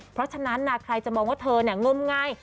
เพราะฉะนั้นใครจะมองว่าเธองมงาย